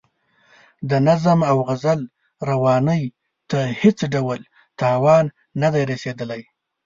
د نظم او غزل روانۍ ته هېڅ ډول تاوان نه دی رسیدلی.